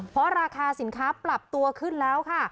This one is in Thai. เพราะราคาสินค้าปรับตัวขึ้นแล้วค่ะ